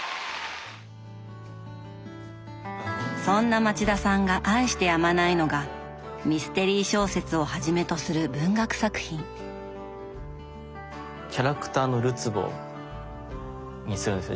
そんな町田さんが愛してやまないのがミステリー小説をはじめとする文学作品。にするんですよ